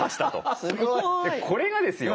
これがですよ